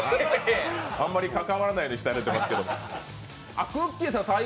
あんまり関わらないようにしてますけど。